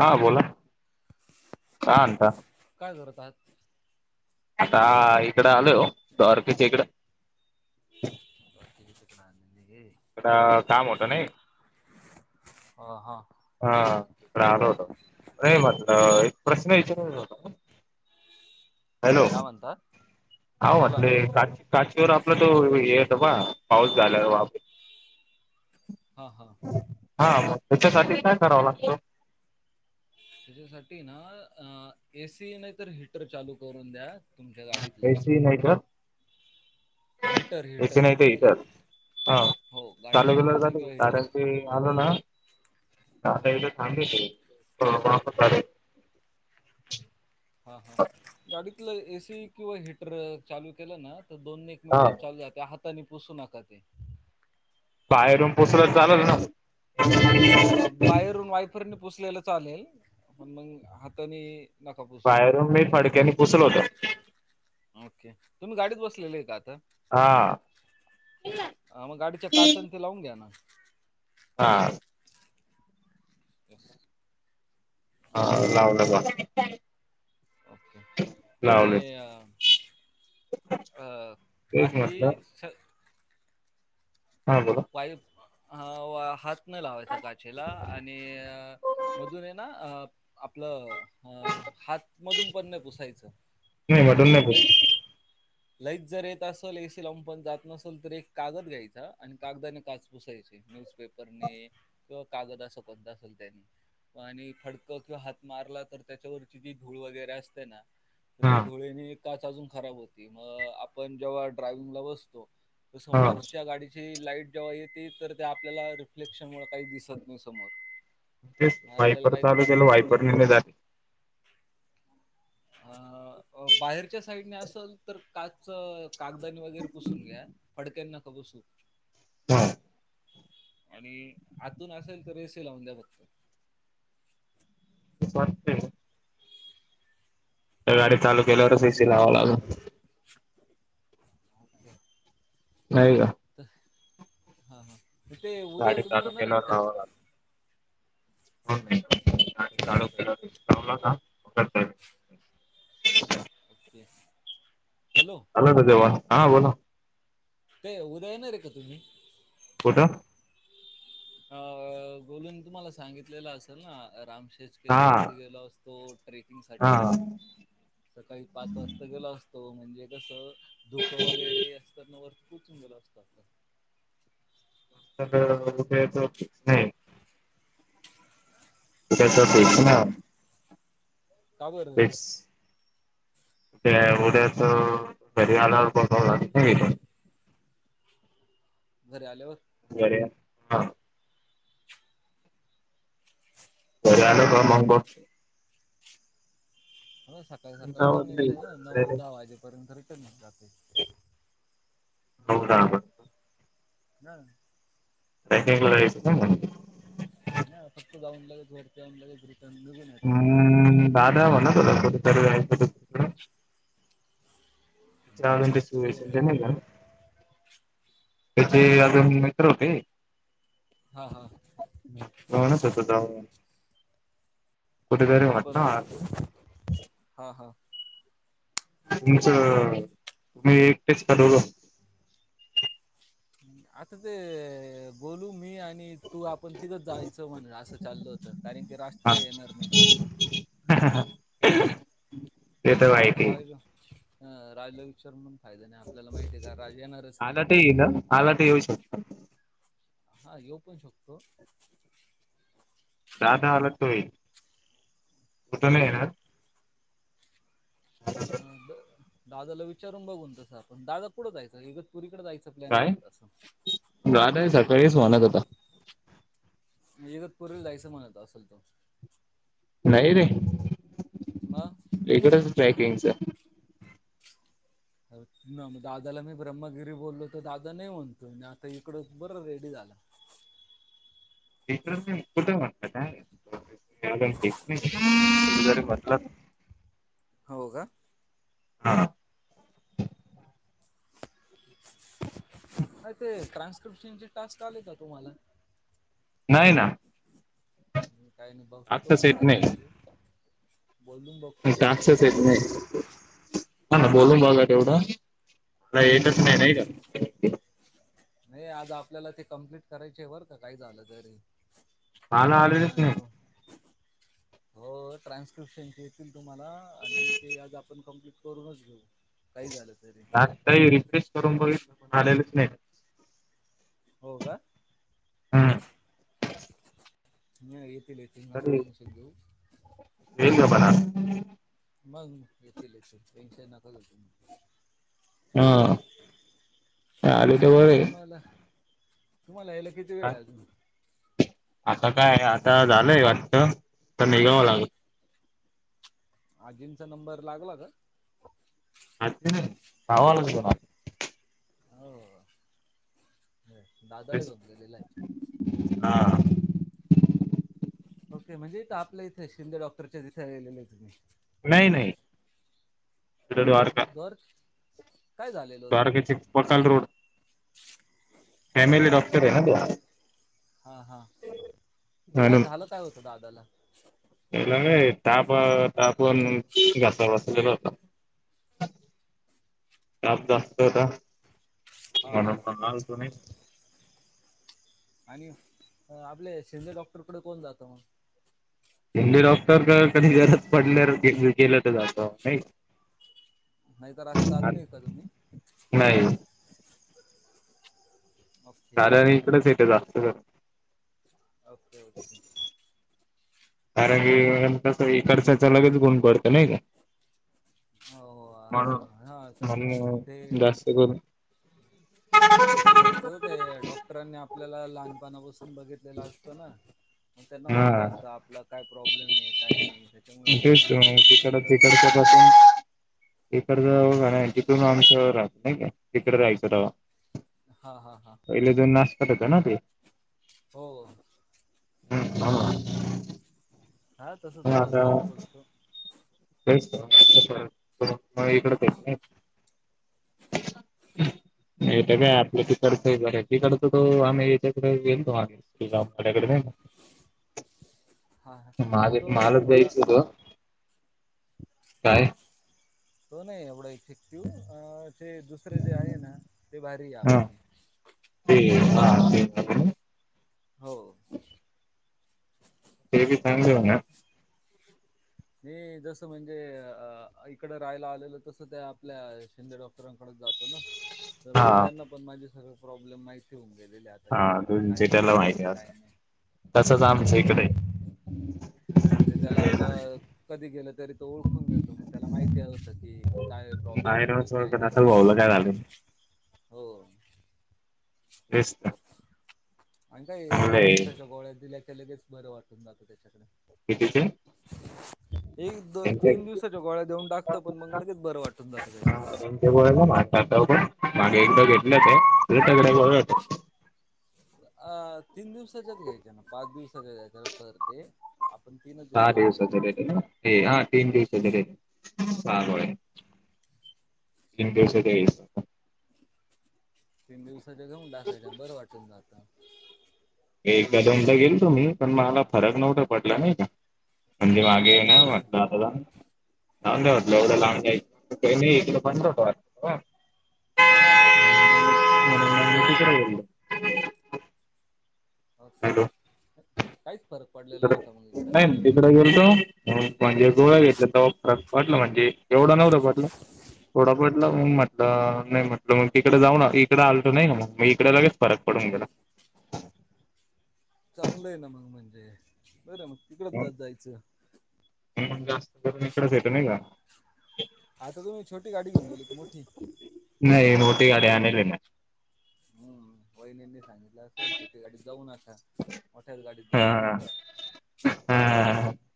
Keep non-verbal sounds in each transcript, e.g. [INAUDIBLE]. हा बोला का आणता. काय करतात आहात. आता इकड आल हो द्वारकेच्या इकडे. भती कतीकला आण गी [INAUDIBLE] थोडं काम होते नाही. ह हा, हा राहिलं होतं ए मर्दा एक प्रश्न विचारयला होता. हॅलो काय म्हणत. हा म्हटलं का काचीवर आपला तो हे येतं बा पाऊस झाला बा वापी ''--'' ''हां'' हां'' हा मग त्याच्यासाठी काय कराव लागत. त्याच्यासाठी ना अ एसी नाही तर हिटर चालू करून द्या. तुमच्या कैस नाही तर. Heater AC heater. नाही तर हिटर हा चालू गेल झाली किंवा हिटर कारणते आलो ना. आताथ थांग [INAUDIBLE] हा हा, गाडीतलं एसी किंवा हिटर चालू केलं ना तर दोन्. हा मिनटात चालू होतंय हाताने पुसू नका ते. बाहेरून पोचला चालल ना? [INAUDIBLE] अ बाहेरून वायफरनी पुसलेलं चालेल पण मग हातानी बाहेरून मी फडक्यानी पुसल होत. ओके तुम्ही गाडीत बसलेले आहे का आता‌? हा अ मग गाडीच्या काचन ते लावून घ्या ना? हा. [INAUDIBLE] हा लावला बघा. ओके आणि लावले अ ह तेच बाकी म्हटलं हां बोला! पाईप अ व हात. न लावायच काचेला आणि मधून आहे ना आपलं अ हातमधून पण नाही पुसायचं नाही मटून आणि नाही बोल लईच लईच जर येत असेल एसी लावून पण जात नसेल तर एक कागद घ्यायचा आणि कागदाने काच पुसायचे न्यूजपेपरने किंवा कागद असंपणध असेल त्याने. आणि फडक किंवा हात मारला तर त्याच्यावरची जी धूळ वगैरे असते ना. तर त्या हा धुळेने काच अजून खराब होती, मग आपण जेव्हा ड्रायवि्हंगला बसतो. तर हा समोरच्या गाडीची लाईट जेव्हा येते तर ते आपल्याला रिफ्लेक्शनमुळे काही दिसत नाही समोर. ण ते मग आपल्याला वायपर काही चालू केलं करता येत नाही वायपर निय झाले. अ बाहेरच्या साईडने असल तर काच कागदानी वगैरे पुसून घ्या. फडक्याने नखा पुसू. हा. आणि आतून असेल तर रेसे लावून द्या फक्त. [UNINTELLIGIBLE] गाडी चालू केल्यावर ए सी लावांव लागल. हो. नाही का? हा हा ते उद्या गाडी तुम्ही चालू येणार आहेत का? हो चालू केला का? झालं ओक हॅलो! अल देवा हां बोल. ते उद्या येणार रे का तुम्ही? कुठ? अ गोलूनून तुम्हाला सांगितलेलं असेल ना रामशेष हा किल्ल्यावरती गेलो असतो. तो ट्रेकिंग साठी हा सकाळी पाच वाजता गेला असतो म्हणजे कसं, धुकं वगैरे असताना वर खूपच गलं असतात. तर उभय त नाही. [INAUDIBLE] ठीच ठीच ना! का बरं नाही. फिक्स ते उद्याच परि आल्यावर बघावं लागतं. घरी आल्यावर. [UNINTELLIGIBLE] होल का मंग [UNINTELLIGIBLE] म सकाळी-सकाळी हो जाऊन यायचंय ना नऊ दहा वाजेपर्यंत रिटर्न येऊन जाते. हो का ब. हा. [UNINTELLIGIBLE] ह फक्त जाऊन लागेल वरती जाऊन लगेच रिटर्न निघून येते फोटो व्हिडिओ हम्म, काढून दादा बाद हवं ना कुट तरी जायचं म्हणून [INAUDIBLE] त्याच्या अजून ते सु घरच्यांना घेऊन जायचंय नाही, त्याचे अजून मित्र होते. हा-हा. होण होत जा म-ब-म म्हटलं हा-हा. तुमचं, तुम्ही एकटेच काढवलं. आता ते गोलू मी आणि आणि तू आपण तिकच जायचं म्हणल असं चाललं होतं, कारण की रास्त काही येणार नाही. हा-हा राजला अ राज ला विचार मग. फायदाया नाही. आपल्याला माहिती आहे का राज येणारच नाही. आला ते येईल आला ते येऊ शकतो हा येऊ पण शकतो. चहा प्यायला आलात तुम्ही, कुठे नाही येणार. अ द दादाला विचारून बघून तसं आपण, दादा कुठं जायचं? इगतपुरीकडे जायचं प्लॅन काय? म्हणत असलं. दादा सकाळीच म्हणत होता. युगतपुरील जायचं म्हणत असल तो. नाही रे.. ! म. इकडंच ट्रॅकिंगच. मग दादाला मी ब्रह्मगिरी बोललो तर दादा नाही म्हणतो, आता इकडं बरं रेडी झाला. इ कुठे म्हणत काय माहिती जरी म्हटलं? हो का. हा. ह. नाही ते ट्रान्स्क्रिप्शनचे टस्क आले का तुम्हाला. नाही ना. काय नाही बघतो टास्कच मी येत सारांची, नाही बोलून बघ तुम्ही टास्कच सऱ्यांशी येत येऊन नाही घेतो. हा ना बोलून बघा तेवढं, हम्म येतच नाही-नाही का? नाही आज आपल्याला ते कम्प्लिट करायचं आहे बर का? काय झालं तरी. मला आज आलेच नाही. आणि हो ट्रान्स्क्रिप्शनचे येतील तुम्हाला आणि ते आज आपण कम्प्लिट करूनच घेऊ. काही झालं तरी जास्तही रिप्रेश करून बघितल पण आलेच नाहीत. हो का. हम्म. नाही येतील येती तरी [INAUDIBLE] मग येतील येत टेन्शन नका घेऊ तुम्ही मग हा आले तर बर आता आहे. तुम्हाला तुम्हाला यायला किती वेळ आहे आजुन? आता काय आता झालंय वाटत तर निघावं लागल.. आजींचा नंबर लागला का? आजींन [UNINTELLIGIBLE] [INAUDIBLE] हो. दादाला घेऊ दिलेला आहे. हा. ओके म्हणजे आपलं इथे शिंदे डॉक्टरच्या तिथे आलेले आहे तुम्ही. नाही नाही. इकडे बर. काय झालेलं होतं द्वारकेचे बटाल road. Okay family okay doctor आहे ना तो. हां हां काय झालं काय होतं दादाला? ला ताप तापून घसा बसलेला होता. [UNINTELLIGIBLE] ओके हां हां. म्हणून मग आलतो नाही आणि आपल्या शिंदे डॉक्टरकडे कोण जातं मग?. शिंदे डॉक्टरकड कधी गरज पडल्यावर गेलं तर जातो नाही. नाहीतर असं जात नाही का तुम्ही? नाही. ओके साऱ्या आणि इकडेच येते जास्त कर. Okay okay. कारण की कस इकडच्यांचे लगेच गुण पडतो. नाही का? हो असं हा ते. ते करु. ते कस असतं ते डॉक्टरांनी आपल्याला लहानपणापासून बघितले असत ना मग त्यांना हा माहिती असत आपला काय प्रॉब्लेम आहे काय नाही. त्याच्यामुळे मग तेच फॅमिली तिकड डॉक्टरकड फार इकड [UNINTELLIGIBLE] नाही तिथून [UNINTELLIGIBLE] राहत नाही तिकडे राहायचो तेव्हा हा हा हा. पहिले जो [INAUDIBLE] होत ना ते. हो. हं ब. [UNINTELLIGIBLE] हा तस तो फरकच पडतो. तेच मग इकड [UNINTELLIGIBLE] ते हे तर काय ते आपल्या तिकडच. ते बरं तिकड तर तो आम्ही याच्याकडे येईलो [UNINTELLIGIBLE] ड्याकडे नाही. [UNINTELLIGIBLE] हा ह का नाही माझे तो मालच थोडा जायचं होतं काय तो नाही एवढा इफेक्टिव अ तेे दुसरे जे आहे ना ते भारी आहे हा आपने. ते हा ते. हो. ते चांगलं हो ना. मी जसं म्हणजे, अ इकड राहायला आलेलं, तसं त्या आपल्या शिंदे डॉक्टरांकडे जात ना तर हा मग त्यांना पण माझे सगळे प्रॉब्लेम माहिती होऊन गेलेले आहेत. हा काही तुमचे त्याला प्रॉब्लेम आहे माहिती असं काय नाही? तसंच हो आमच्या इकडे म्हणजे त्याला, आता कधी गेलं तरी तो ओळखून घेेतो. त मग त्याला माहिती आलं होतं की काय प्रॉब्लेम बाहेर होतोय, काय न होत भाऊला काय झालं हो तेस्त आणि का एक दिवस त्याच्या गोळ्यात दिल्याच्या, लगेच बरं वाटून जातो त्याच्याकडे कितीथ एक द तीन दिवसाच्या गोळ्या देऊन टाकतं पण मग लगेच बरं वाटून जातं त्याच्यात ते ब माझ पण मागे एकदा घेतलंच आहे सगळ ब अ तीन दिवसाच्याच घ्यायच्या, ना पाच दिवसाच्या घ्यायच्या सर ते आपण तीनच सहा दिवसाच्या दिवसाचे, घ्यायच्या भेट हा तीन दिवसाचे रेटहा हम्म तीन दिवस ते तीन दिवसाचे घेऊन, टाकायच्या बरं वाटेल ना आता एकदा दोनदा गेल तो मी पण मला फरक नव्हता, पटला नाही का म्हणजे मागे, आहे काहीच ना फरक नाही आता लावून द म्हटलं एवढं लाहून, जायचं मी एककल पण होतो. हा हा मच ओके काहीच परत तिकड तिकडे गेल तो म्हणजे, गोवा गेतला त वाटलं म्हणजे एवढं नव्हलं पटलं एवढा पटला म म नाही म्हटलं मग तकडे जाऊ ना इकडे आलतो, नाही मग-मग इकडे लगेच फरक पडूनगला चांगलं आहे ना मग म्हणजे, बर मग तिकडच द जायचं जास्त करून इकडच येत नाही का हा तर तुम्ही छोी गाडी, घऊन गेली मोठी नाही नोटी गाडी आणल नाही वहिणींनी सांगितलं अस छोटी गाडीत, जाऊ न आ मोठ्याच गाडीत जाात जा हा हा ह्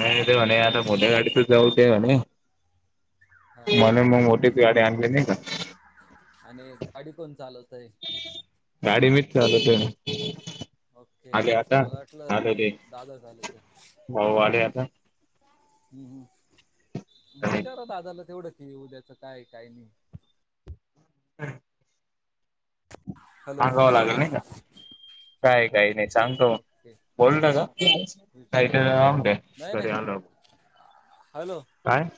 नाही ते म्हणे आता मोठ्या, गाडीतच जाऊ ते म्हणे हा म्हणे हा मग मोठे पिवाडे आणले नाही का आणि गाडी कोण चालवत आहे. गाडी मीचल ते ओके मला वाटलं, दादा झालं ते भाऊ आले आता हम् हम्म विचारा आजाला तेवढं की उद्याचं काय काय नाही हम हॅलो सांगावं लागेल नाही का काय काही नाही सांगतो, ओके बोलता विच- काथ रा द्या नाही घरी नाही आलं हॅलो. काय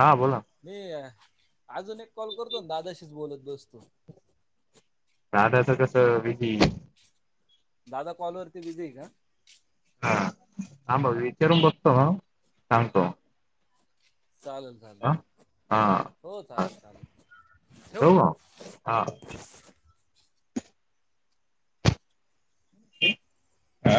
हां बोला मी अजून एक कॉल करतो, दादाशीच बोलत बसतो दादाचं कसं बीपी दादा कॉल वरती बिझी आहे का? हा हां भाऊ विचारून बघतो हा सांगतो. चालेल ना हा चालेल हा हो हा चालेल चालेल ठेऊ ठेवू मग का? हा. अ